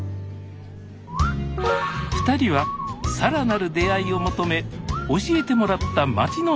２人は更なる出会いを求め教えてもらった町の中心部へ。